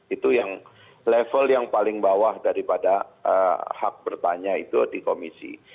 itu yang level yang paling bawah daripada hak bertanya itu di komisi